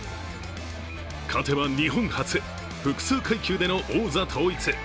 勝てば日本初、複数階級での王座統一。